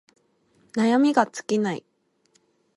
悩みが尽きない